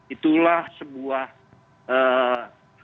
itulah sebuah ee ee